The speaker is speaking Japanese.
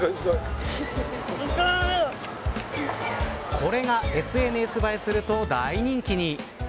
これがＳＮＳ映えすると大人気に。